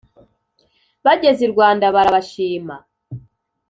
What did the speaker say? bageze i rwanda barabashima